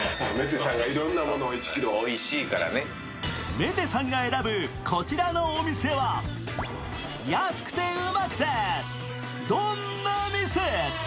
メテさんが選ぶこちらのお店は安くてウマくてどんな店？